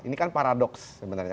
ini kan paradoks sebenarnya